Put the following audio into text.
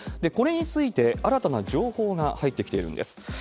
これについて、新たな情報が入ってきているんです。